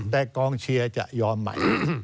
แต่กองเชียร์จะยอมใหม่